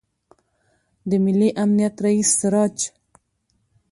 د ملي امنیت رئیس سراج